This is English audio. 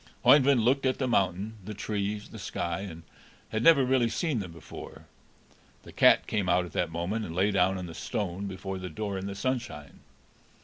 Oeyvind looked at the mountain, the trees, the sky, and had never really seen them before. The cat came out at that moment, and lay down on the stone before the door in the sunshine.